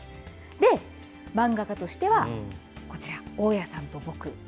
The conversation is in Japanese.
で、漫画家としてはこちら、大家さんと僕。